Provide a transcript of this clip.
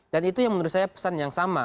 dan itu menurut saya pesan yang sama